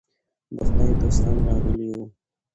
د خدای دوستان راغلي وو.